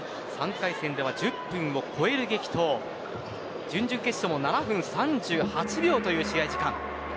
３回戦では１０分を超える激闘準々決勝も７分３８秒という試合時間。